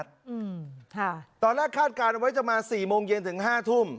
อืมค่ะตอนแรกคาดการณ์เอาไว้จะมาสี่โมงเย็นถึงห้าทุ่ม